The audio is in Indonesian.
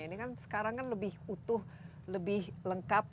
ini kan sekarang kan lebih utuh lebih lengkap